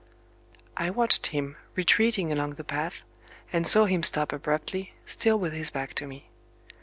I watched him retreating along the path, and saw him stop abruptly, still with his back to me.